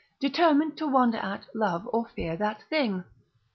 determined to wonder at, love, or fear that thing.